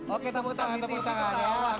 oke tepuk tangan tepuk tangan